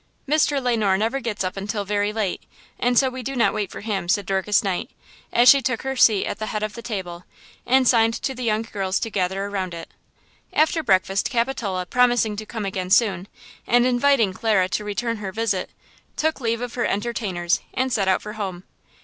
"Mr. Le Noir never gets up until very late, and so we do not wait for him," said Dorcas Knight, as she took her seat at the head of the table and signed to the young girls to gather around it. After breakfast Capitola, promising to come again soon, and inviting Clara to return her visit, took leave of her entertainers and set out for home.